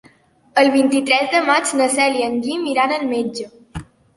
El vint-i-tres de maig na Cel i en Guim iran al metge.